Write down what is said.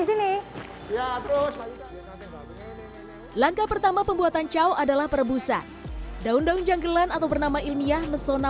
ini langkah pertama pembuatan cow adalah perebusan daun daun janggilan atau bernama ilmiah nesona